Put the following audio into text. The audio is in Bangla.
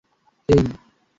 আমি ঘর দেখাশোনা করব।